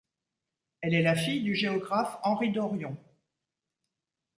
Elle est la fille du géographe Henri Dorion.